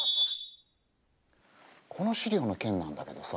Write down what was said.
この資料の件なんだけどさ。